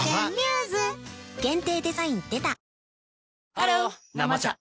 ハロー「生茶」